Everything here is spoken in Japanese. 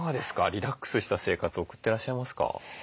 リラックスした生活送ってらっしゃいますか？